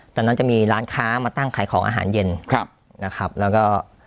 ตอนนั้นจะมีร้านค้ามาตั้งขายของอาหารเย็นครับนะครับแล้วก็